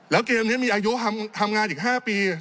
แล้วเกมนี้มีอายุทำงานอีก๕ปี